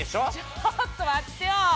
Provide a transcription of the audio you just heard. ちょっと待ってよ。